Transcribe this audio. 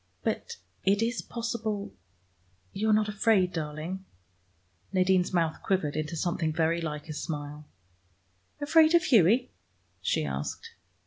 But it is possible you are not afraid, darling?" Nadine's mouth quivered into something very like a smile. "Afraid of Hughie?" she asked.